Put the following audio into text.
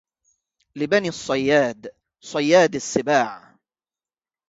لبني الصياد صياد السباع